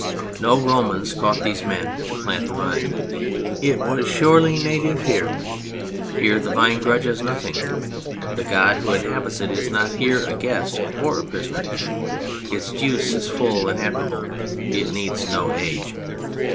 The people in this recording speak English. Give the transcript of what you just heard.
No Romans caught these men to plant the vine, it was surely native here. Here the vine grudges nothing ; the god who inhabits it is not here a guest or a prisoner. Its juice is full and admirable. It needs no age.